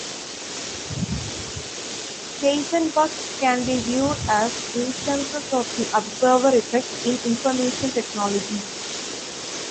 Heisenbugs can be viewed as instances of the observer effect in information technology.